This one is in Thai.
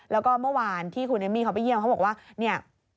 แล้วก็เมื่อวานที่คุณเอมมี่เขาไปเยี่ยมเขาบอกว่าเนี่ย